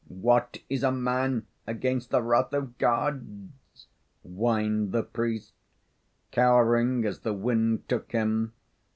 "What is a man against the wrath of Gods?" whined the priest, cowering as the wind took him.